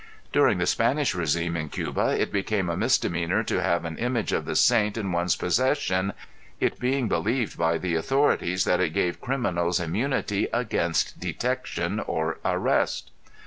During the Spanish regime in Cuba it became a misdemeanor to have an image of the saint in one's possession it being believed by the authorities that it gave criminals immunity against detection or arrest.